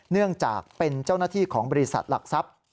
เนื่องจากเป็นเจ้าหน้าที่ของบริษัทหลักทรัพย์